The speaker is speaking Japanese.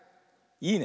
いいね。